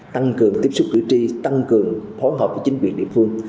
tăng cường tiếp xúc cử tri tăng cường phối hợp với chính quyền địa phương